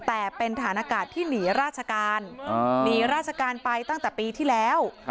แต่เป็นฐานอากาศที่หนีราชการหนีราชการไปตั้งแต่ปีที่แล้ว